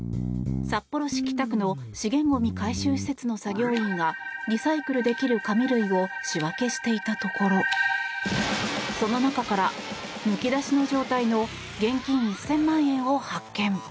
札幌市北区の資源ゴミ回収施設の作業員がリサイクルできる紙類を仕分けしていたところその中から、むき出しの状態の現金１０００万円を発見。